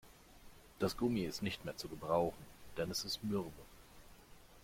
Das Gummi ist nicht mehr zu gebrauchen, denn es ist mürbe.